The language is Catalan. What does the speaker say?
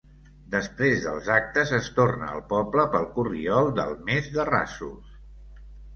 Després dels actes es torna al poble pel corriol del Mes de Rasos.